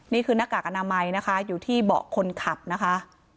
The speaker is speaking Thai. นี่คือนักกากนามัยอยู่ที่เบาะคนขับนะคะ